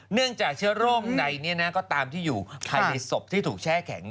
จากเชื้อโรคใดก็ตามที่อยู่ภายในศพที่ถูกแช่แข็ง